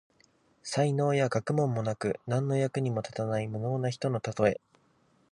才能や学問もなく、何の役にも立たない無能な人のたとえ。